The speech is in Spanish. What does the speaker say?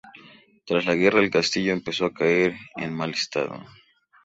Tras la guerra el castillo empezó a caer en mal estado.